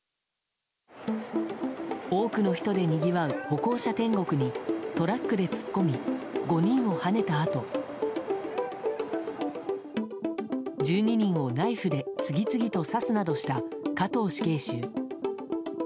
多くの人でにぎわう歩行者天国にトラックで突っ込み５人をはねたあと１２人をナイフで次々と刺すなどした加藤死刑囚。